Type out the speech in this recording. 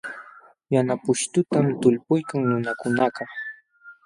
Yana pushtutam talpuykan nunakunakaq.